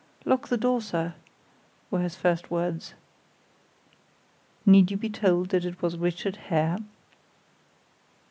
"Lock the door, sir," were his first words. Need you be told that it was Richard Hare?